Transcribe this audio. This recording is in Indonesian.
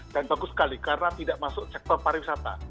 bagus sekali karena tidak masuk sektor pariwisata